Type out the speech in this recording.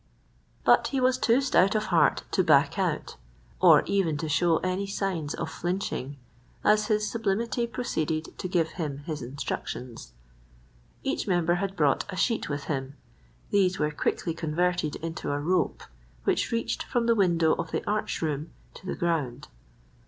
But he was too stout of heart to back out, or even to show any signs of flinching, as his sublimity proceeded to give him his instructions. Each member had brought a sheet with him. These were quickly converted into a rope, which reached from the window of the arch room to the ground.